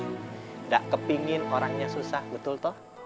tidak kepingin orangnya susah betul toh